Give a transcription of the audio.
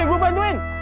di gue bantuin